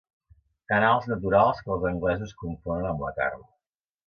Canals naturals que els anglesos confonen amb la carn.